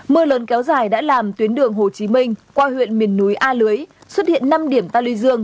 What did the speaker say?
mưa lớn kéo dài đã làm tuyến đường hồ chí minh qua huyện miền núi a lưới xuất hiện năm điểm ta lưu dương